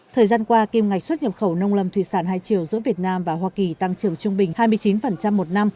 thời gian qua kim ngạch xuất nhập khẩu nông lâm thủy sản hai triệu giữa việt nam và hoa kỳ tăng trưởng trung bình hai mươi chín một năm